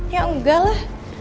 ya nggak lah